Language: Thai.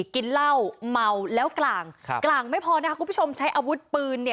กินเหล้าเมาแล้วกลางกลางไม่พอนะคะคุณผู้ชมใช้อาวุธปืน